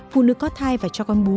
phụ nữ có thai và cho con bú